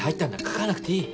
書かなくていい。